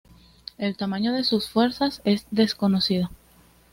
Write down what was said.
El tamaño de sus fuerzas es desconocido.